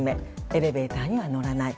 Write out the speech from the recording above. エレベーターには乗らない。